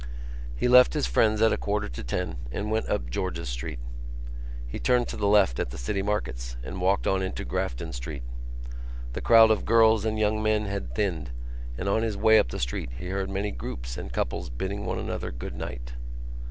He left his friends at a quarter to ten and went up George's Street. He turned to the left at the City Markets and walked on into Grafton Street. The crowd of girls and young men had thinned and on his way up the street he heard many groups and couples bidding one another good night.